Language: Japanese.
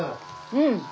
うん！